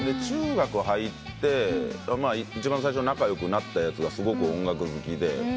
中学入って一番最初仲良くなったやつがすごく音楽好きで。